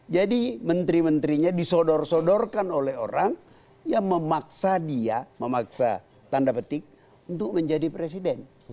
jadi menteri menterinya disodor sodorkan oleh orang yang memaksa dia memaksa tanda petik untuk menjadi presiden